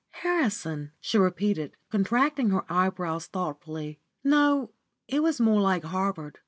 Harrison?" she repeated, contracting her eyebrows thoughtfully; "no, it was more like Harvard.